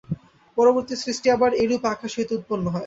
পরবর্তী সৃষ্টি আবার এইরূপে আকাশ হইতে উৎপন্ন হয়।